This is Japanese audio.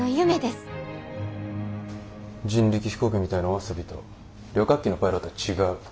人力飛行機みたいなお遊びと旅客機のパイロットは違う。